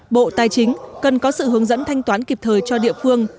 bộ tài chính cần có sự hướng dẫn thanh toán kịp thời cho địa phương